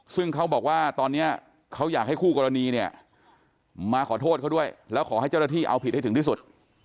ซึ่งเขาบอกว่าตอนนี้เขาอยากให้คู่กรณีเนี่ยมาขอโทษเขาด้วยแล้วขอให้เจ้าหน้าที่เอาผิดให้ถึงที่สุด